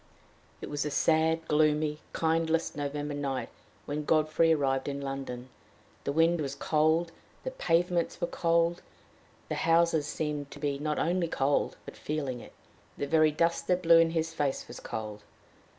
It was a sad, gloomy, kindless November night, when Godfrey arrived in London. The wind was cold, the pavements were cold, the houses seemed to be not only cold but feeling it. The very dust that blow in his face was cold.